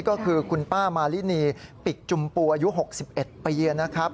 ก็คือคุณป้ามารินีปิดจุมปูอายุหกสิบเอ็ดปีนะครับ